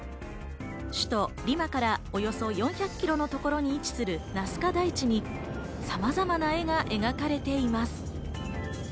首都のリマからおよそ４００キロのところに位置するナスカ台地にさまざまな絵が描かれています。